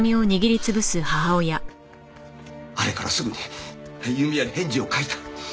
あれからすぐに由美は返事を書いた。